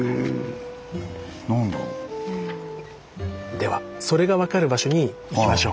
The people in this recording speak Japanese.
ではそれが分かる場所に行きましょう。